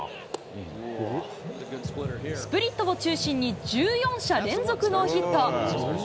スプリットを中心に１４者連続ノーヒット。